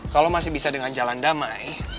kalau masih bisa dengan jalan damai